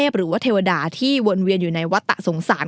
พระกฤษณะ